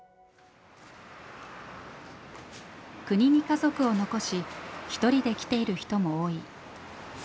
国に家族を残し１人で来ている人も多い。